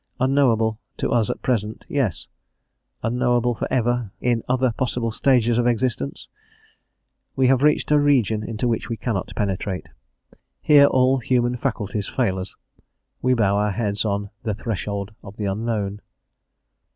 Unknowable to us at present, yes! Unknowable for ever, in other possible stages' of existence? We have reached a region into which we cannot penetrate; here all human faculties fail us; we bow our heads on "the threshold of the unknown."